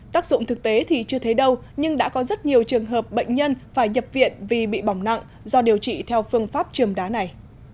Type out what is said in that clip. tác dụng thực tế thì chưa thấy đâu nhưng đã có rất nhiều trường hợp bệnh nhân phải nhập viện vì bị bỏng nặng do điều trị theo phương pháp trường đá này